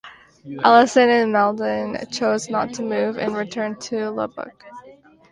Allison and Mauldin chose not to move and returned to Lubbock.